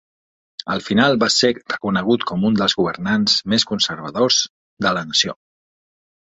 Al final va ser reconegut com un dels governants més conservadors de la nació.